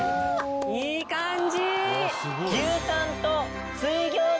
いい感じ。